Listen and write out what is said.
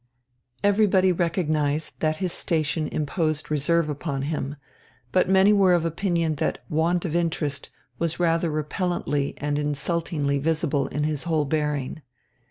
Everybody recognized that his station imposed reserve upon him, but many were of opinion that want of interest was rather repellently and insultingly visible in his whole bearing.